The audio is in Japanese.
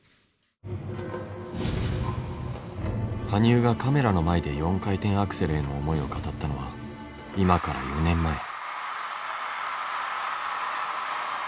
羽生がカメラの前で４回転アクセルへの思いを語ったのは今から４年前。